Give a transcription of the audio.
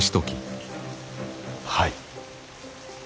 はい。